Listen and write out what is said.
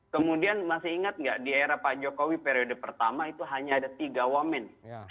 kemudian masih ingat nggak di era pak jokowi periode pertama itu hanya ada tiga woman